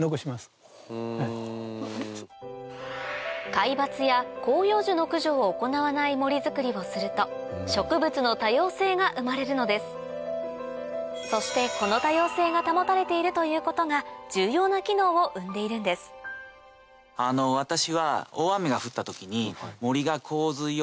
皆伐や広葉樹の駆除を行わない森づくりをすると植物の多様性が生まれるのですそしてこの多様性が保たれているということが重要な機能を生んでいるんです私は。